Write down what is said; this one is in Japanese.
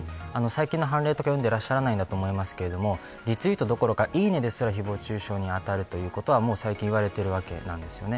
最近の判例とか読んでいらっしゃらないのだと思いますけれどリツイートどころかいいねですらひぼう中傷にあたると言われています。